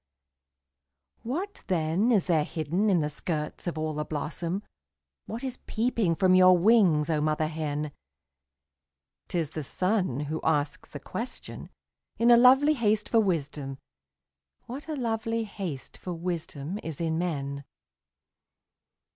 What then is there hidden in the skirts of all the blossom, What is peeping from your wings, oh mother hen? 'T is the sun who asks the question, in a lovely haste for wisdom What a lovely haste for wisdom is in men?